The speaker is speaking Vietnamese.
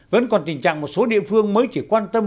vẫn còn tình trạng một số địa phương mới chỉ quan tâm